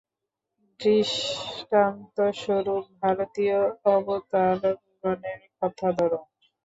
দৃষ্টান্তস্বরূপ ভারতীয় অবতারগণের কথা ধর।